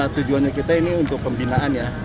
tujuannya kita ini untuk pembinaan ya